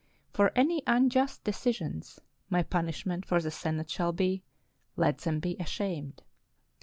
For any unjust decisions, my punishment for the Senate shall be: let them be ashamed!"